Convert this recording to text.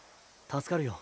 助かるよ。